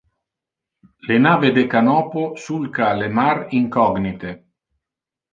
Le nave de canopo sulca le mar incognite.